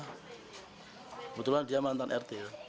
kebetulan dia mantan rt